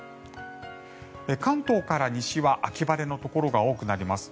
関東から西は秋晴れのところが多くなります。